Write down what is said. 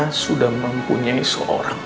reina sudah mempunyai seorang papa